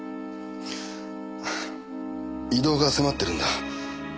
異動が迫ってるんだ。